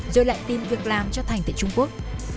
rồi lại tìm việc làm cho thành tại trung quốc